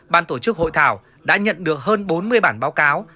ban tổ chức hội thảo đã nhận được hơn bốn mươi bản báo cáo